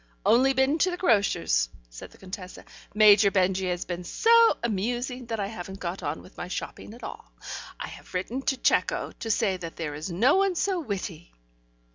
"Only been to the grocer's," said the Contessa. "Major Benjy has been so amusing that I haven't got on with my shopping at all. I have written to Cecco, to say that there is no one so witty."